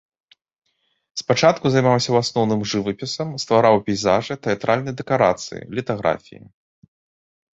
Спачатку займаўся ў асноўным жывапісам, ствараў пейзажы, тэатральныя дэкарацыі, літаграфіі.